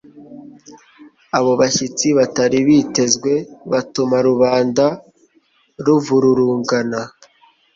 Abo bashyitsi batari bitezwe batuma rubanda ruvururugana,